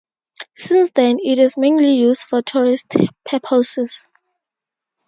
Since then it is mainly used for tourist purposes.